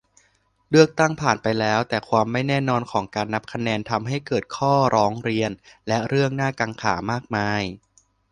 เลือกตั้งผ่านไปแล้ว แต่ความไม่แน่นอนของการนับคะแนนทำให้เกิดข้อร้องเรียน และเรื่องน่ากังขามากมาย